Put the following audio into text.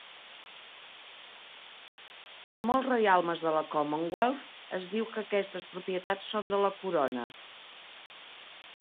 En molts reialmes de la Commonwealth, es diu que aquestes propietats són de la Corona.